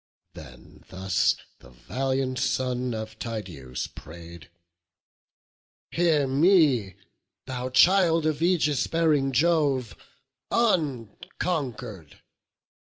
Then thus the valiant son of Tydeus pray'd: "Hear me, thou child of aegis bearing Jove, Unconquer'd!